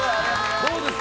どうですか？